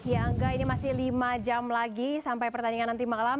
ya angga ini masih lima jam lagi sampai pertandingan nanti malam